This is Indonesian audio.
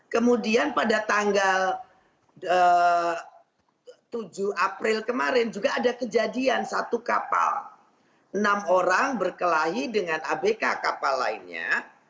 kemudian pada tanggal tujuh april kemarin juga ada kejadian satu kapal enam orang berkelahi dengan abk kapal lainnya